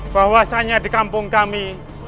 bahwasannya di kampung kami